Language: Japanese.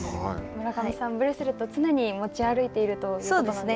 村上さん、ブレスレットを常に持ち歩いているということなそうですね。